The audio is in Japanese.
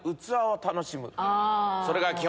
それが基本。